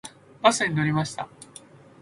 バスに乗りました。